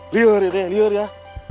lir ya teh liur ya